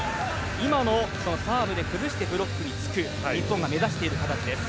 今の、サーブで崩してブロックにつく日本が目指している形です。